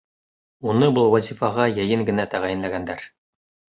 Уны был вазифаға йәйен генә тәғәйенләгәндәр.